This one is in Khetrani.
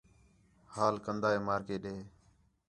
حال کندا ہیں مارکے ݙے